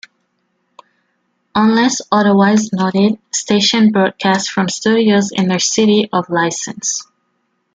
Unless otherwise noted, stations broadcast from studios in their city of license.